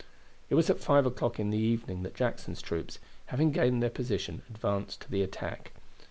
It was at five o'clock in the evening that Jackson's troops, having gained their position, advanced to the attack.